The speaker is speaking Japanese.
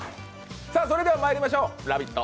それではまいりましょう、「ラヴィット！」